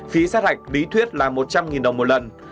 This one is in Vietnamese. phí sát hạch lý thuyết là một trăm linh đồng một lần